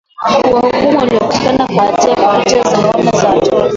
kuwahukumu waliopatikana na hatia ya kuwa na picha za ngono za watoto